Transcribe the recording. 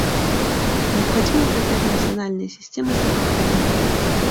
Необходимо укреплять национальные системы здравоохранения.